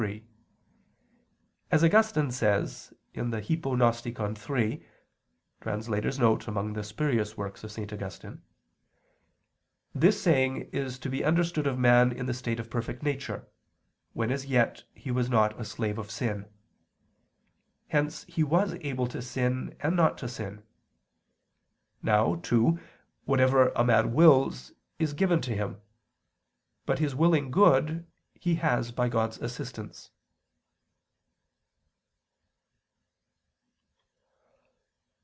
3: As Augustine says (Hypognosticon iii [*Among the spurious works of St. Augustine]), this saying is to be understood of man in the state of perfect nature, when as yet he was not a slave of sin. Hence he was able to sin and not to sin. Now, too, whatever a man wills, is given to him; but his willing good, he has by God's assistance.